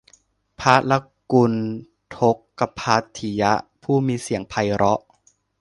พระลกุณฎกภัททิยะ ผู้มีเสียงไพเราะ